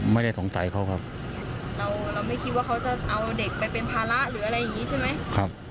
ไม่ได้สงสัยเขาครับ